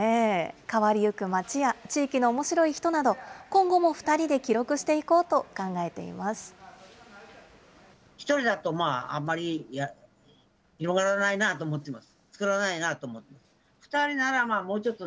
変わりゆく街や地域のおもしろい人など、今後も２人で記録していこうと考えています。